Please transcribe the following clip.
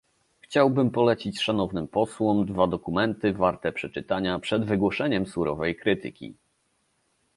Chciałbym polecić Szanownym Posłom dwa dokumenty warte przeczytania przed wygłoszeniem surowej krytyki